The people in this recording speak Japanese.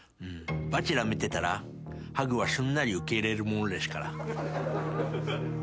『バチェラー』見てたらハグはすんなり受け入れるものですから。